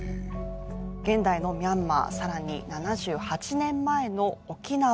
現代のミャンマーさらに７８年前の沖縄